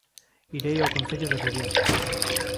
Irei ao Concello de Rubiá